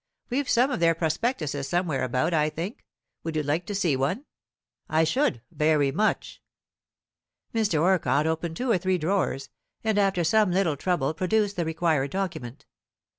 We've some of their prospectuses somewhere about, I think. Would you like to see one?" "I should, very much." Mr. Orcott opened two or three drawers, and after some little trouble produced the required document.